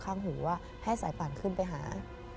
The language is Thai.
ข้างหูว่าให้สายป่านขึ้นไปหา